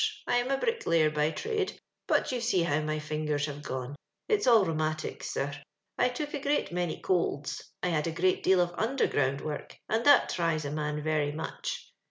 I am a bricklayer by trade ; but you see how my fingers have gone : it's all rheumatics, sir. I took a great many colds. I had a great deal of underground work, and that tries a man very much.